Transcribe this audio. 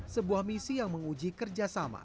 sebuah misi yang menguji kerjasama